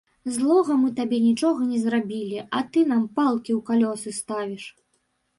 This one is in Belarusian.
Злога мы табе нічога не зрабілі, а ты нам палкі ў калёсы ставіш.